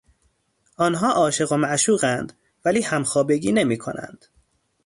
آنها عاشق و معشوقاند ولی همخوابگی نمیکنند.